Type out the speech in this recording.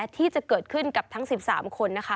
ที่จะเกิดขึ้นกับทั้ง๑๓คนนะคะ